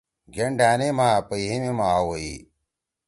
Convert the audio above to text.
گھین ڈھأنے ما، پہیِمے ما آ ویی